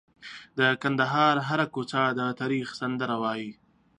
د کندهار هره کوڅه د تاریخ سندره وایي.